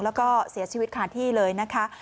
แล้วก็เสียชีวิตขาดที่เลยนะคะ